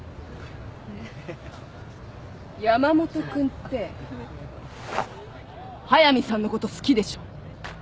山本君って速見さんのこと好きでしょ？